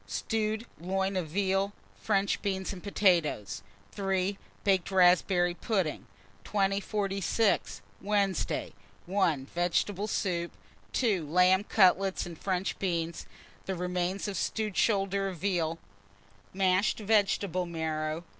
2. Stewed loin of veal, French beans and potatoes. 3. Baked raspberry pudding. 2046. Wednesday. 1. Vegetable soup. 2. Lamb cutlets and French beans; the remains of stewed shoulder of veal, mashed vegetable marrow.